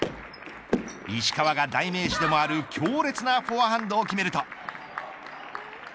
石川が代名詞でもある強烈なフォアハンドを決めると。